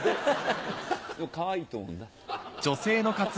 でもかわいいと思うんだ。